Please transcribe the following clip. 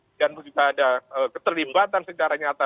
dan kemudian menyangkut banyak pihak dan kita ada keterlibatan secara nyata